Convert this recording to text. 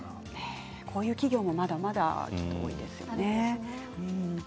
こういう企業もまだまだ多いですよね。